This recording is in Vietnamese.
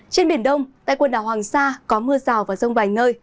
trên biển đông tại quần đảo hoàng sa có mưa rào và rông vài nơi